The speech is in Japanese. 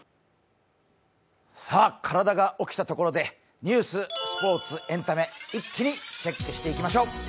体が起きたところで、ニュース、スポーツ、エンタメ、一気にチェックしていきましょう。